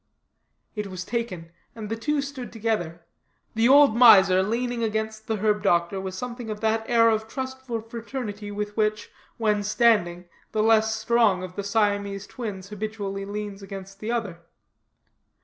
It was taken; and the two stood together; the old miser leaning against the herb doctor with something of that air of trustful fraternity with which, when standing, the less strong of the Siamese twins habitually leans against the other.